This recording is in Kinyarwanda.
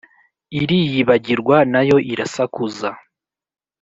iriyibagirwa na yo irasakuza